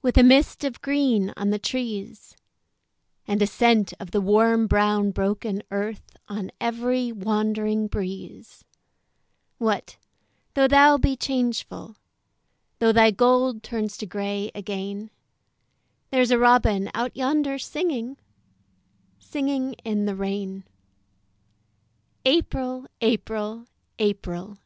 With a mist of green on the trees And a scent of the warm brown broken earth On every wandering breeze; What, though thou be changeful, Though thy gold turns to grey again, There's a robin out yonder singing, Singing in the rain. April! April! April!